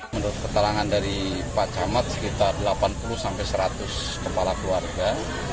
menurut keterangan dari pak camat sekitar delapan puluh sampai seratus kepala keluarga